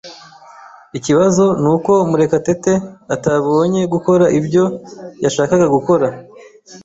Ikibazo nuko Murekatete atabonye gukora ibyo yashakaga gukora.